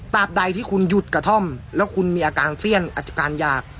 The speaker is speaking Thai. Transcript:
บใดที่คุณหยุดกระท่อมแล้วคุณมีอาการเสี้ยนอาจจะการหยาก